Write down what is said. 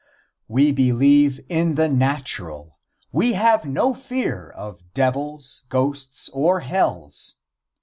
We believe in the natural. We have no fear of devils, ghosts or hells.